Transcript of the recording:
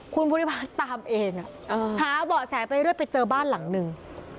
คุณภูริพัฒน์ตามเองหาเบาะแสไปเรื่อยไปเจอบ้านหลังหนึ่ง